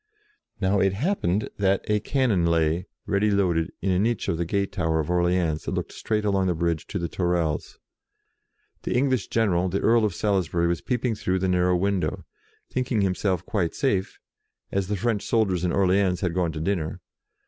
Now it happened that a cannon lay, ready loaded, in a niche of the gate tower of Orleans that looked straight along the bridge to the Tourelles. The English general, the Earl of Salisbury, was peeping through the narrow window, think ing himself quite safe, as the French soldiers in Orleans had gone to dinner.